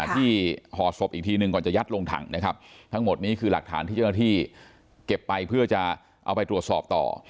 ห่อศพอีกทีหนึ่งก่อนจะยัดลงถังนะครับทั้งหมดนี้คือหลักฐานที่เจ้าหน้าที่เก็บไปเพื่อจะเอาไปตรวจสอบต่อ